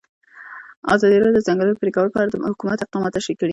ازادي راډیو د د ځنګلونو پرېکول په اړه د حکومت اقدامات تشریح کړي.